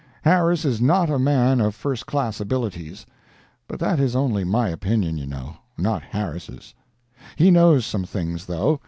Harris is not a man of first class abilities—but that is only my opinion, you know—not Harris'. He knows some things, though.